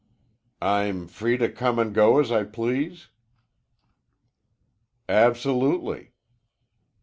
"I'm free to come an' go as I please?" "Absolutely."